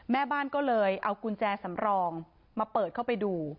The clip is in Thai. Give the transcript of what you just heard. แม่บ้านก็เลยเอากุญแจสำรองมาเปิดเข้าไปดู